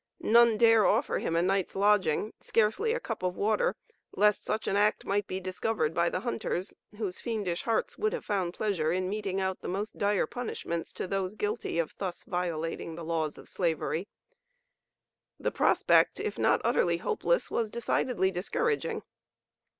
None dare offer him a night's lodging, scarcely a cup of water, lest such an act might be discovered by the hunters, whose fiendish hearts would have found pleasure in meting out the most dire punishments to those guilty of thus violating the laws of Slavery. The prospect, if not utterly hopeless, was decidedly discouraging.